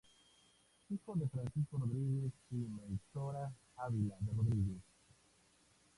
Hijo de Francisco Rodríguez y Melchora Ávila de Rodríguez.